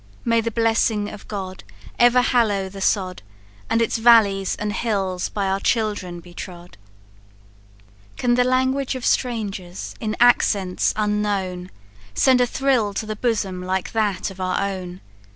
May the blessing of God Ever hallow the sod, And its valleys and hills by our children be trode! "Can the language of strangers, in accents unknown, Send a thrill to the bosom like that of our own!